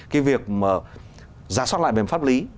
cái việc mà giả soát lại về pháp lý